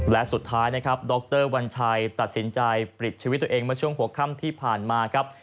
และสุดท้ายนะครับดรวัญชัยตัดสินใจปลิดชีวิตตัวเองเมื่อช่วงหัวค่ำที่ผ่านมาครับ